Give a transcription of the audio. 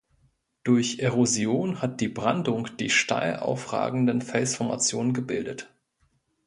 Durch Erosion hat die Brandung die steil aufragenden Felsformationen gebildet.